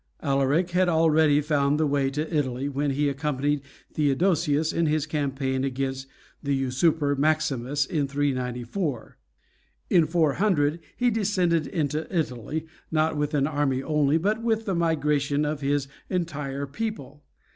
] Alaric had already found the way to Italy when he accompanied Theodosius in his campaign against the usurper Maximus in 394. In 400 he descended into Italy, not with an army only, but with the migration of his entire people.